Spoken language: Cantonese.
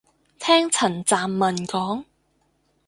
聽陳湛文講